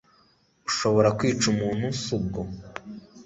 ushobora kwica umuntu subwo